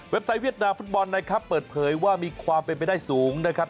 ไซต์เวียดนามฟุตบอลนะครับเปิดเผยว่ามีความเป็นไปได้สูงนะครับ